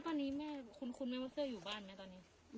คุ้นว่าเสื้ออยู่บ้านไหมตอนนี้